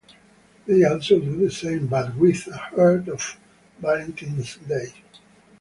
They also do the same but with a heart on valentines day.